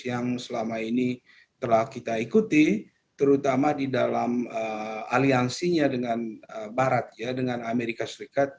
yang selama ini telah kita ikuti terutama di dalam aliansinya dengan barat ya dengan amerika serikat